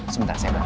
sebentar saya bantu